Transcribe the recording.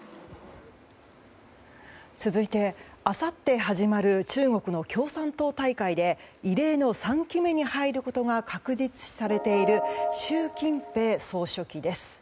続いて、あさって始まる中国の共産党大会で異例の３期目に入ることが確実視されている習近平総書記です。